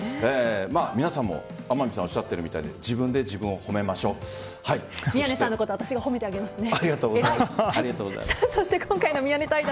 皆さんも、天海さんおっしゃってるみたいに宮根さんのことは私が褒めてあげてますね。